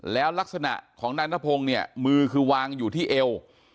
แล้วลักษณะของนายนพงศ์เนี่ยมือคือวางอยู่ที่เอว